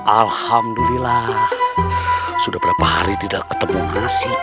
alhamdulillah sudah berapa hari tidak ketemu nasib